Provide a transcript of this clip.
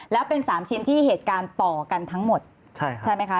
แล้วเป็น๓ชิ้นที่เหตุการณ์ต่อกันทั้งหมดใช่ไหมคะ